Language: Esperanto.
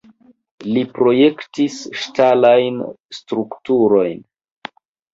Li projektis ŝtalajn strukturojn.